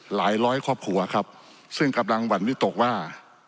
หลายร้อยครอบครัวครับซึ่งกำลังหวั่นวิตกว่า